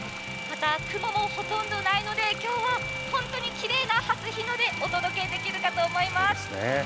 また雲もほとんどないので、今日は本当にきれいな初日の出お届けできると思います。